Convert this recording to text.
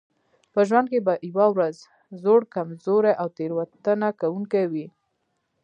په ژوند کې به یوه ورځ زوړ کمزوری او تېروتنه کوونکی وئ.